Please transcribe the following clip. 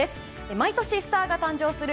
毎年スターが誕生する